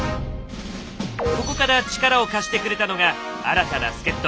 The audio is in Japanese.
ここから力を貸してくれたのが新たな助っ人。